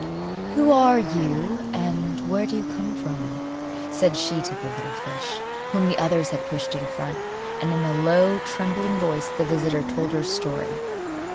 'Who are you, and where do you come from?' said she to the little fish, whom the others had pushed in front. And in a low, trembling voice, the visitor told her story.